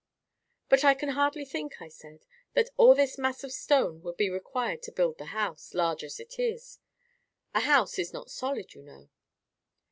"But I can hardly think," I said, "that all this mass of stone could be required to build the house, large as it is. A house is not solid, you know."